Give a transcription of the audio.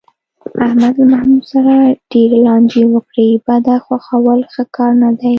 احمد له محمود سره ډېرې لانجې وکړې، بده خوښول ښه کار نه دی.